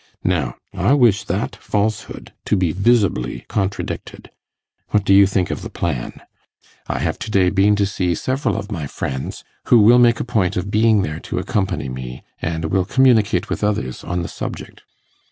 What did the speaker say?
Now, I wish that falsehood to be visibly contradicted. What do you think of the plan? I have to day been to see several of my friends, who will make a point of being there to accompany me, and will communicate with others on the subject.